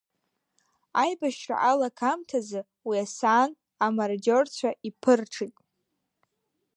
Аибашьра алагамҭазы уи асаан амарадиорцәа иԥырҽит.